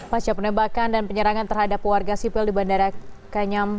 pasca penembakan dan penyerangan terhadap warga sipil di bandara kenyam